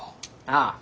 ああ。